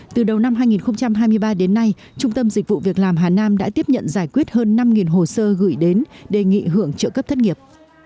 từ đầu năm hai nghìn hai mươi ba đến nay trung tâm dịch vụ việc làm hà nam đã tiếp nhận giải quyết hơn năm hồ sơ gửi đến đề nghị hưởng trợ cấp thất nghiệp